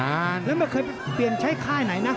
แล้วไม่เคยเปลี่ยนใช้ค่ายไหนนะ